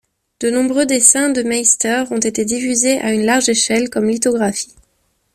De nombreux dessins de Meister ont été diffusés à une large échelle comme lithographies.